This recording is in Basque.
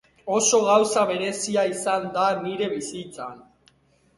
Oso gauza berezia izan da nire bizitzan.